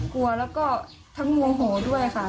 กลัวแล้วก็ทั้งโมโหด้วยค่ะ